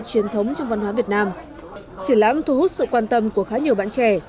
truyền thống trong văn hóa việt nam triển lãm thu hút sự quan tâm của khá nhiều bạn trẻ